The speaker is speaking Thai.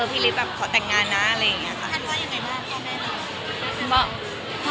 พี่ฤทธิแบบขอแต่งงานนะอะไรอย่างนี้ค่ะ